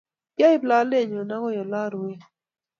kyaib lolenyu agoi olarue